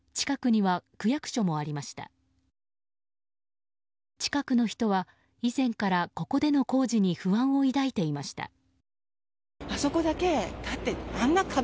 近くの人は以前から、ここでの工事に不安を抱いていました。